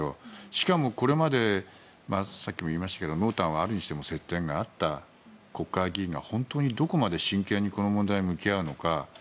しかもこれまでさっきも言いましたが濃淡はありますが接点があった国会議員がどこまで本当にどこまで真剣にこの問題に向き合うのか。